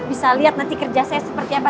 bisa lihat nanti kerja saya seperti apa